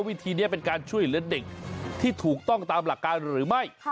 วิธีนี้เป็นการช่วยเหลือเด็กที่ถูกต้องตามหลักการหรือไม่